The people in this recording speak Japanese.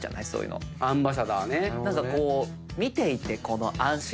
何かこう見ていて。